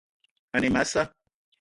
Ane e ma a sa'a